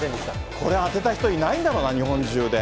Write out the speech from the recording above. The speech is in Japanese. これは当てた人いないんだろうな、日本中で。